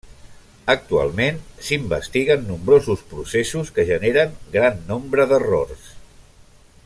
Actualment, s'investiguen nombrosos processos que generen gran nombre d'errors.